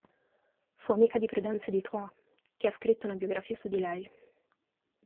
Fu amica di Prudenzio di Troyes, che ha scritto una biografia su di lei.